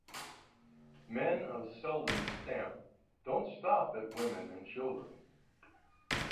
Men of Selden's stamp don't stop at women and children.